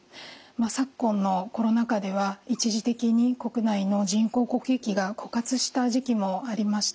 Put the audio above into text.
昨今のコロナ禍では一時的に国内の人工呼吸器が枯渇した時期もありました。